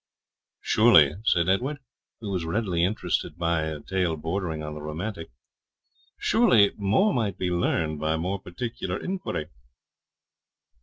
'Surely,' said Edward, who was readily interested by a tale bordering on the romantic, 'surely more might be learned by more particular inquiry.'